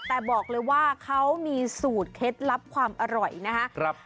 แต่บอกเลยว่าเขามีสูตรเคล็ดลับความอร่อยนะครับ